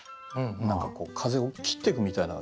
何か風を切ってくみたいな。